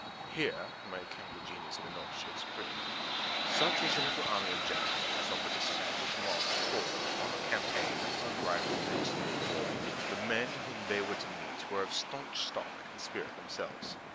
Here the mechanical genius of the North showed supreme. Such was the little army of Jackson, somber to see, which marched forth upon a campaign unrivalled in the history of war. The men whom they were to meet were of staunch stock and spirit themselves.